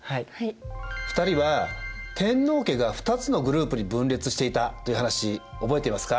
２人は天皇家が二つのグループに分裂していたという話覚えていますか？